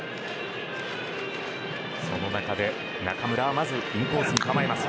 その中で中村はまずインコースに構えます。